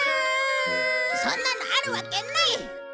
そんなのあるわけない！